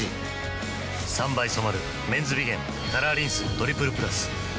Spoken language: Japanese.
３倍染まる「メンズビゲンカラーリンストリプルプラス」